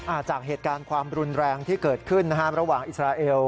จากเหตุการณ์ความรุนแรงที่เกิดขึ้นนะฮะระหว่างอิสราเอล